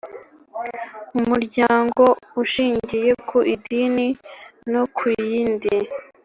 Umuryango Ushingiye ku Idini no ku yindi